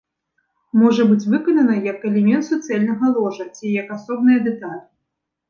Можа быць выканана як элемент суцэльнага ложа ці як асобная дэталь.